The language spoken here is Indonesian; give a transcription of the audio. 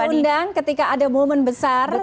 selalu diundang ketika ada momen besar